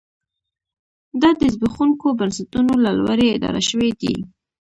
دا د زبېښونکو بنسټونو له لوري اداره شوې دي.